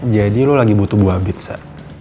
jadi lo lagi butuh buah bit se